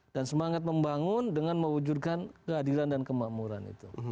dan semangat membangun dengan mewujudkan keadilan dan kemakmuran